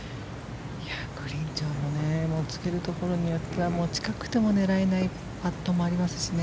グリーン上もつけるところによっては近くても狙えないパットもありますしね。